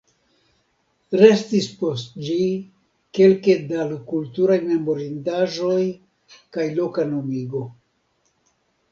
Restis post ĝi kelke da kulturaj memorindaĵoj kaj loka nomigo.